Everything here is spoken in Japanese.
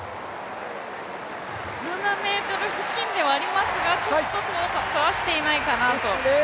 ７ｍ付近ではありますが、ちょっと到達していないかなと。